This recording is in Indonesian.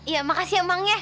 iya makasih ya bang ya